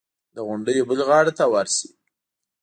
د غونډیو بلې غاړې ته ورشي.